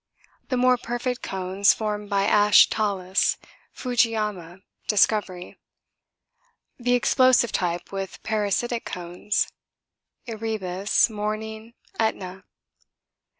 The more perfect cones formed by ash talus Fujiama, Discovery. The explosive type with parasitic cones Erebus, Morning, Etna.